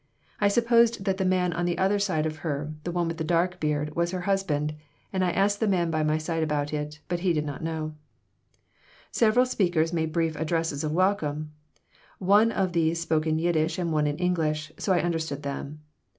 I supposed that the man on the other side of her, the one with the dark beard, was her husband, and I asked the man by my side about it, but he did not know Several speakers made brief addresses of welcome. One of these spoke in Yiddish and one in English, so I understood them.